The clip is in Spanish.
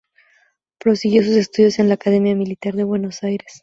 Prosiguió sus estudios en la Academia Militar de Buenos Aires.